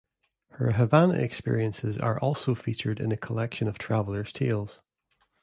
Her Havana experiences are also featured in a collection of travellers tales.